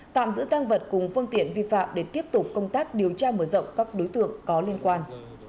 tạm giữ tăng vật cùng phương tiện vi phạm để tiếp tục công tác điều tra mở rộng các đối tượng có liên quan